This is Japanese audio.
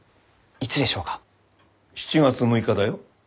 ７月６日だよ。